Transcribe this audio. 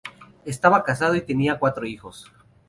Estaba casado y tenía cuatro hijos.